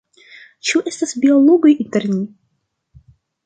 Ĉu estas biologoj inter ni?